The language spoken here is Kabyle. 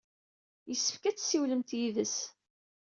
Yessefk ad tessiwlemt yid-s.